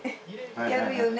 やるよね。